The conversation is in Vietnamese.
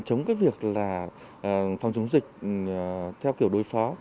chống cái việc là phòng chống dịch theo kiểu đối phó